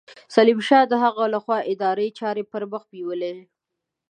سلیم شاه د هغه له خوا اداري چارې پرمخ بېولې.